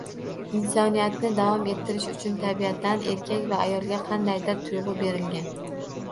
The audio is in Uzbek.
Insoniyatni davom ettirish uchun tabiatan erkak va ayolga qandaydir tuyg‘u berilgan